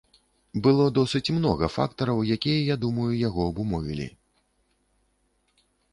Было досыць многа фактараў, якія, я думаю, яго абумовілі.